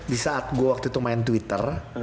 di saat gue waktu itu main twitter